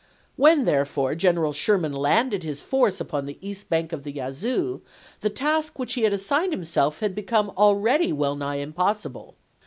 When, therefore, General Sherman landed his force upon the east bank of the Yazoo the task which he had assigned himself had become already well nigh impossible.